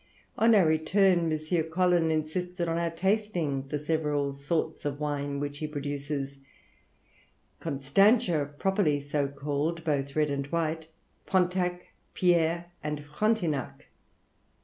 On our return, M. Colyn insisted on our tasting the several sorts of wine which he produces, Constantia properly so called, both red and white, Pontac, Pierre, and Frontignac.